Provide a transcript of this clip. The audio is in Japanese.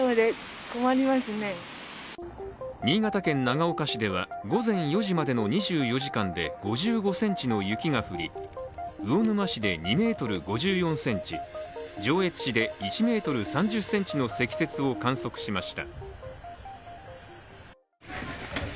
新潟県長岡市では、午前４時までの２４時間で５５ｃｍの雪が降り、魚沼市で２ｍ５ｃｍ上越市で１ｍ３０ｃｍの積雪を観測しました。